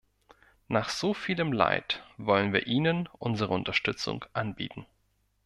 Nach so vielem Leid wollen wir Ihnen unsere Unterstützung anbieten.